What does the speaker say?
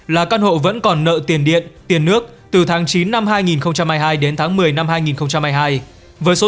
là căn hộ vẫn còn nợ tiền điện tiền nước từ tháng chín năm hai nghìn hai mươi hai đến tháng một mươi năm hai nghìn hai mươi hai